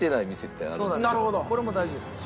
これも大事ですよね。